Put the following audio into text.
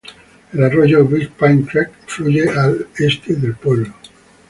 El arroyo Big Pine Creek fluye a al este del pueblo.